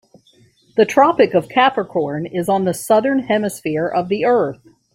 The Tropic of Capricorn is on the Southern Hemisphere of the earth.